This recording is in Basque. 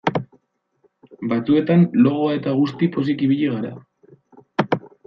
Batzuetan logoa eta guzti pozik ibili gara.